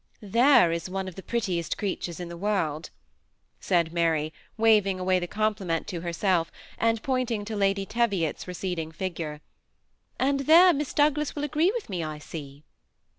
^< There is one of the prettiest creatures in the world," said Mary, waving away the compliment to 96 THE SEMI ATTACHED GOUPLE. liersd^ and pmntiiig to Ladf Tevioti's Teoeding fig me; '^and there Miss Dooglas will agree with me, I see."